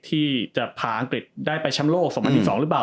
ที่จะพาอังกฤษได้ไปแชมป์โลก๒๐๑๒หรือเปล่า